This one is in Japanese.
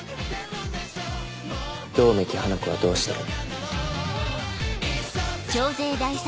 百目鬼華子はどうしてる？